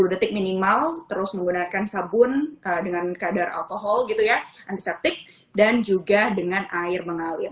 dua puluh detik minimal terus menggunakan sabun dengan kadar alkohol gitu ya antiseptik dan juga dengan air mengalir